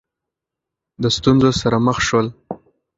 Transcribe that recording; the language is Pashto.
د ستونزو سره مخ شول